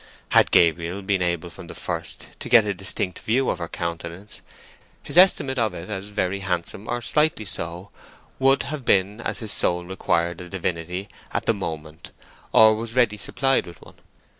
Had Gabriel been able from the first to get a distinct view of her countenance, his estimate of it as very handsome or slightly so would have been as his soul required a divinity at the moment or was ready supplied with one.